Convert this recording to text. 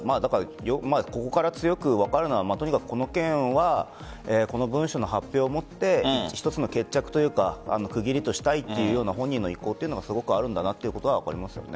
ここから強く分かるのはとにかく、この件はこの文書の発表をもって一つの決着というか区切りとしたいという本人の意向がすごくあるんだなと分かりますよね。